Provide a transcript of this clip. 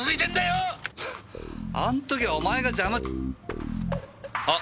フンッあん時はお前が邪魔あっ！？